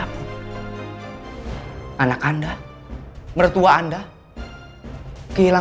ketika shaundra tasar nyanyikan paleicin